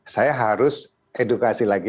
saya harus edukasi lagi